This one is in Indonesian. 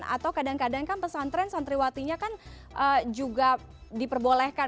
atau kadang kadang kan pesantren santriwatinya kan juga diperbolehkan